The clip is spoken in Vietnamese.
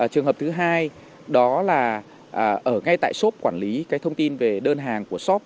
trường hợp thứ hai đó là ở ngay tại sốp quản lý cái thông tin về đơn hàng của sốp